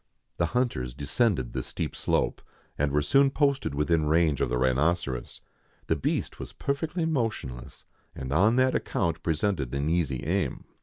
The hunters descended the steep slope, and were soon posted within range of the rhinoceros. The beast was perfectly motionless, and on that account presented an easy aim.